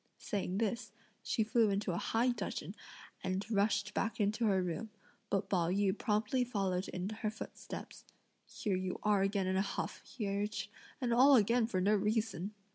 Saying this, she flew into a high dudgeon and rushed back into her room; but Pao yü promptly followed in her footsteps: "Here you are again in a huff," he urged, "and all for no reason!